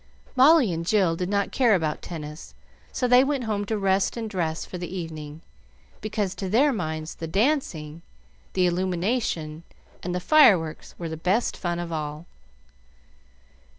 Molly and Jill did not care about tennis, so they went home to rest and dress for the evening, because to their minds the dancing, the illumination, and the fireworks were the best fun of all.